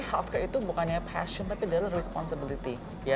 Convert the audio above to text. health care itu bukannya passion tapi adalah responsibility